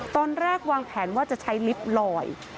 ตอนแรกวางแผนว่าจะใช้ลิฟต์ลอย